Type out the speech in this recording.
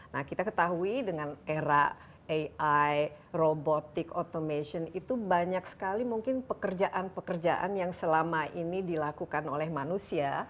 nah kita ketahui dengan era ai robotic automation itu banyak sekali mungkin pekerjaan pekerjaan yang selama ini dilakukan oleh manusia